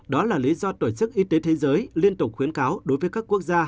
đó là lý do tổ chức y tế thế giới liên tục khuyến cáo đối với các quốc gia